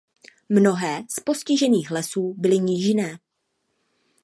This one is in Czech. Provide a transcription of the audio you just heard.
Mnohé z postižených lesů byly nížinné.